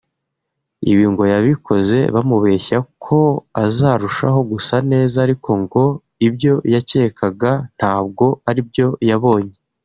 Ibi ngo yabikoze bamubeshya ko azarushaho gusa neza ariko ngo ibyo yakekaga ntago aribyo yabonye